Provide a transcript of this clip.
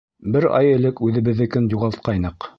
Бер ай элек үҙебеҙҙекен юғалтҡайныҡ.